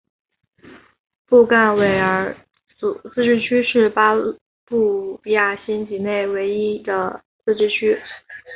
布干维尔自治区是巴布亚新几内亚唯一的自治区。